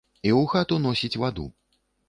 І ў хату носіць ваду.